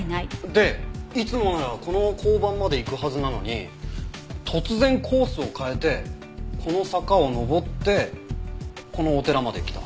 でいつもならこの交番まで行くはずなのに突然コースを変えてこの坂を上ってこのお寺まで来た。